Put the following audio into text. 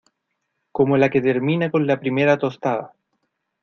como la que termina con la primera tostada